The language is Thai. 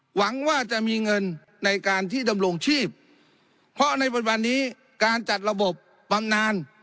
หวังว่าจะมีเงินในการที่ดำรงชีพเพราะในบนวันนี้การจัดระบบบำนาน